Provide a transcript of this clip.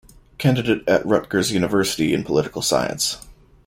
Candidate at Rutgers University in Political Science.